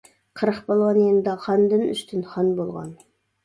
قىرىق پالۋان يېنىدا خاندىن ئۈستۈن خان بولغان.